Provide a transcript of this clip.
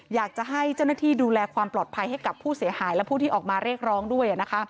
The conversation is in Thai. อยากจะให้เจ้าหน้าที่ดูแลความปลอดภัยให้กับผู้เสียหายและผู้ที่ออกมาเรียกร้องด้วย